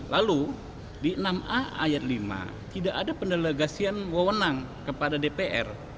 lalu di enam a ayat lima tidak ada pendelagasian wawonang kepada dpr